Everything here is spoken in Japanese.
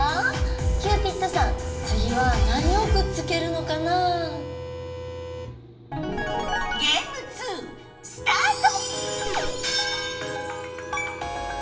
キューピッドさんつぎは何をくっつけるのかな？スタート！